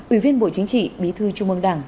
ủy viên bộ chính trị bí thư trung mương đảng